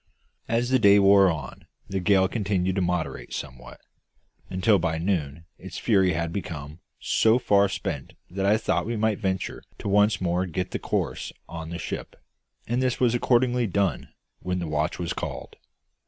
As the day wore on the gale continued to moderate somewhat, until by noon its fury had become so far spent that I thought we might venture to once more get the courses on the ship; and this was accordingly done when the watch was called.